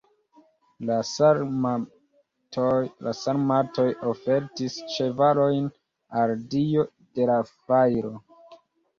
La sarmatoj ofertis ĉevalojn al dio de la fajro.